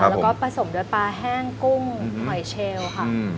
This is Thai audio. แล้วก็ผสมด้วยปลาแห้งกุ้งหอยเชลค่ะ